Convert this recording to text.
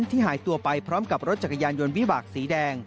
หายตัวไปพร้อมกับรถจักรยานยนต์วิบากสีแดง